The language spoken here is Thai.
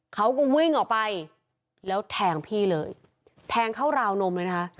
เขาก็วิ่งออกไปแล้วแทงพี่เลยแทงเข้าราวนมเลยนะคะ